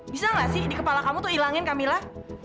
bisa gak sih di kepala kamu tuh ilangin camilla